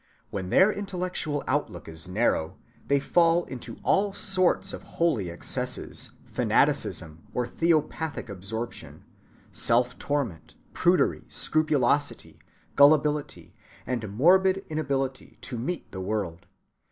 When their intellectual outlook is narrow, they fall into all sorts of holy excesses, fanaticism or theopathic absorption, self‐torment, prudery, scrupulosity, gullibility, and morbid inability to meet the world.